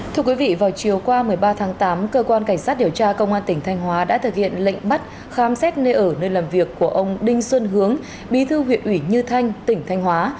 thưa quý vị vào chiều qua một mươi ba tháng tám cơ quan cảnh sát điều tra công an tỉnh thanh hóa đã thực hiện lệnh bắt khám xét nơi ở nơi làm việc của ông đinh xuân hướng bí thư huyện ủy như thanh tỉnh thanh hóa